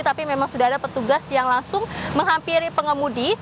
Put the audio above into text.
tapi memang sudah ada petugas yang langsung menghampiri pengemudi